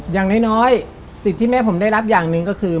อย่างน้อยสิทธิ์ที่แม่ผมได้รับอย่างหนึ่งก็คือ